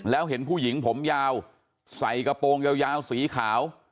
แล้วเห็นผู้หญิงผมยาวใส่กระโปรงยาวสีขาว